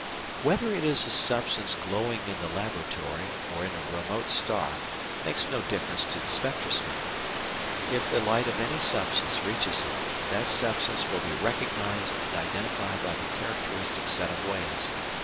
Whether it is a substance glowing in the laboratory or in a remote star makes no difference to the spectroscope; if the light of any substance reaches it, that substance will be recognised and identified by the characteristic set of waves.